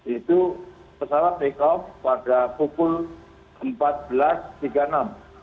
itu pesawat take off pada pukul empat belas tiga puluh enam